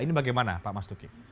ini bagaimana pak mas duki